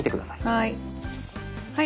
はい。